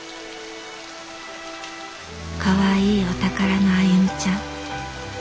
かわいいお宝の歩ちゃん。